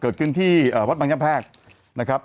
เกิดขึ้นที่วัดบางยะแพกนะครับ